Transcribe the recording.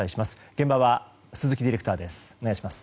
現場は鈴木ディレクターです。